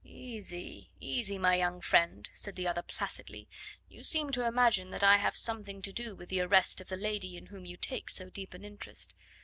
"Easy, easy, my young friend," said the other placidly; "you seem to imagine that I have something to do with the arrest of the lady in whom you take so deep an interest.